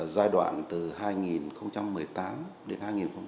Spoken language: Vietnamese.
giai đoạn từ hai nghìn một mươi tám đến hai nghìn hai mươi